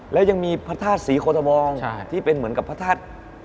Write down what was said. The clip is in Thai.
แล้วยังมีพระธาตุศรีโคธมองที่เป็นเหมือนกับพระธาตุ